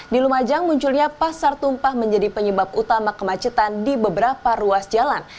di lumajang munculnya pasar tumpah menjadi penyebab utama kemacetan di beberapa ruas jalan